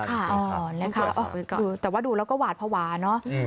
ค่ะอ๋อนั่นค่ะแต่ว่าดูแล้วก็หวาดพวาเนอะ